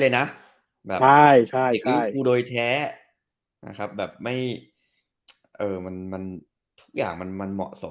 เกิดเมอร์ซี่ไซต์เลยนะใช่แบบเด็กฟูผู้โดยแท้